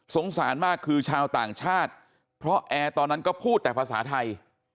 สารมากคือชาวต่างชาติเพราะแอร์ตอนนั้นก็พูดแต่ภาษาไทย